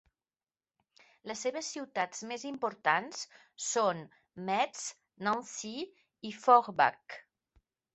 Les seves ciutats més importants són Metz, Nancy i Forbach.